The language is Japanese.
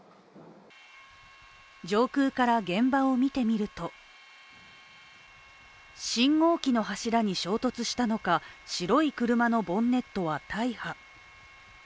上空から現場を見てみると信号機の柱に衝突したのか白い車のボンネットは大破。